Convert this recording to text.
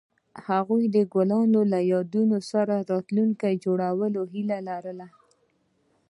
هغوی د ګلونه له یادونو سره راتلونکی جوړولو هیله لرله.